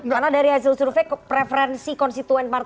karena dari hasil survei preferensi konstituen partai